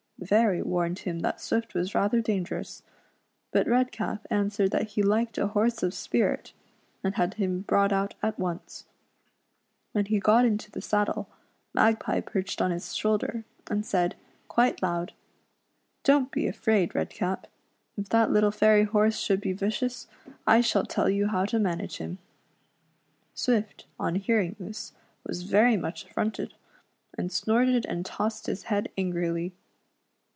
The fairy warned him that Swift was rather dangerous, but Redcap answered that he liked a horse of spirit, and had him brought out at once. When he got into the saddle. Magpie perched on his shoulder, and said, quite loud :'' Don't be afraid. Redcap. If that little fairy horse should be vicious, I shall tell you how to manage him/* Swift, on hearing this, was very much affronted, and snorted and tossed his head angrily.